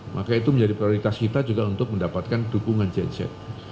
maka itu menjadi prioritas kita juga untuk mendapatkan dukungan genset